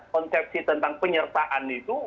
konsepsi tentang penyertaan itu